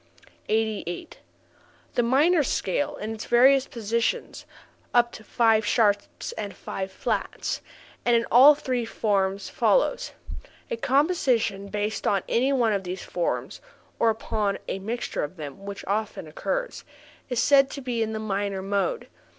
88. The minor scale in its various positions (up to five sharps and five flats) and in all three forms follows: a composition based on any one of these forms (or upon a mixture of them, which often occurs) is said to be in the minor mode.